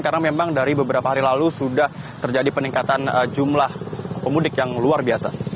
karena memang dari beberapa hari lalu sudah terjadi peningkatan jumlah pemudik yang luar biasa